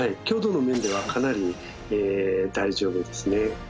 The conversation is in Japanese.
強度の面ではかなり大丈夫ですね。